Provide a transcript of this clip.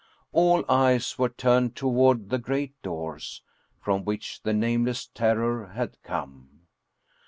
All eyes were turned toward the great doors, from which the nameless terror had come.